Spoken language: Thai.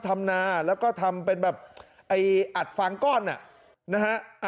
ทำนาแล้วก็ทำเป็นแบบไอ้อัดฟางก้อนนะฮะ